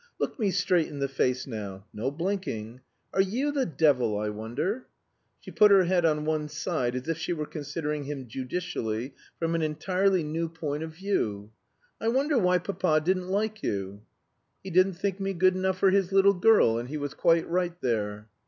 "Look me straight in the face now. No blinking. Are you the devil, I wonder?" She put her head on one side as if she were considering him judicially from an entirely new point of view. "I wonder why papa didn't like you?" "He didn't think me good enough for his little girl, and he was quite right there."